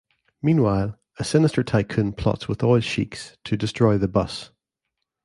Meanwhile, a sinister tycoon plots with oil sheikhs to destroy the bus.